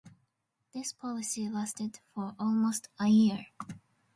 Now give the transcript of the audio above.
This policy lasted for almost a year.